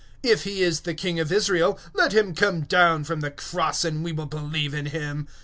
If he is King of Israel, let him now come down from the cross, and we will believe on him.